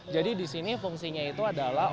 jadi disini fungsinya itu adalah